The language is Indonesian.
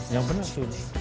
yang benar tuh